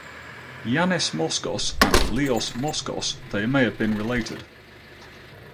Ioannis Moskos and Leos Moskos they may have been related.